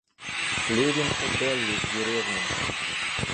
Левин у Долли в деревне.